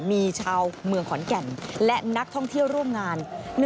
มีชาวเมืองขอนแก่นและนักท่องเที่ยวร่วมงาน